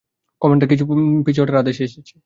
Commander, পিছু হটার আদেশ এসেছে!